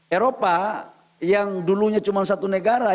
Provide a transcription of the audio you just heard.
eropa yang dulunya cuma satu negara